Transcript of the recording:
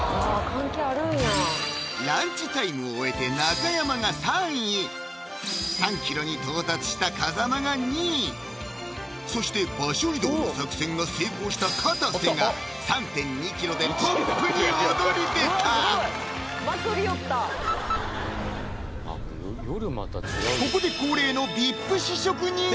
ランチタイムを終えて中山が３位３ｋｇに到達した風間が２位そして場所移動の作戦が成功したかたせが３．２ｋｇでトップに躍り出たここで出ましたＶＩＰ！